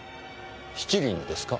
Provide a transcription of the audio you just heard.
七輪ですか？